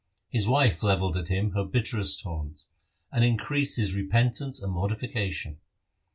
His wife levelled at him her bitterest taunts, and increased his repentance and mortification.